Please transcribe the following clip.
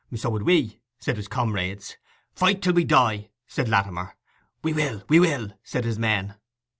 'So would we!' said his comrades. 'Fight till we die!' said Latimer. 'We will, we will!' said his men.